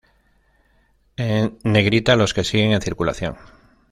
En negrita, los que siguen en circulación.